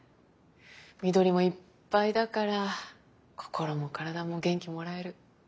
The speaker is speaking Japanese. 緑もいっぱいだから心も体も元気もらえる。